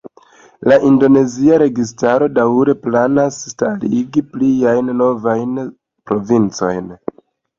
La indonezia registaro daŭre planas starigi pliajn novajn provincojn.